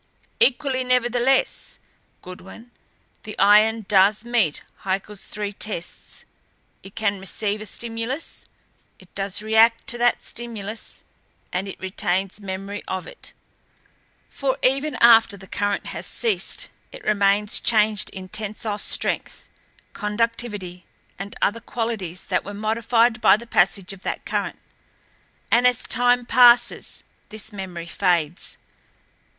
"Equally nevertheless, Goodwin, the iron does meet Haeckel's three tests it can receive a stimulus, it does react to that stimulus and it retains memory of it; for even after the current has ceased it remains changed in tensile strength, conductivity and other qualities that were modified by the passage of that current; and as time passes this memory fades.